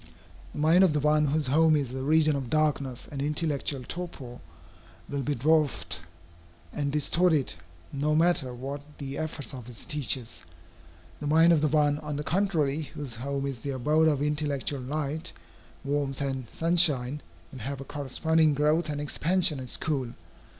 The mind of the one whose home is a region of darkness and intellectual torpor, will be dwarfed and distorted, no matter what the efforts of its teachers. The mind of the one, on the contrary, whose home is the abode of intellectual light, warmth, and sunshine, will have a corresponding growth and expansion at school.